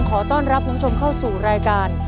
ขอต้อนรับคุณผู้ชมเข้าสู่รายการ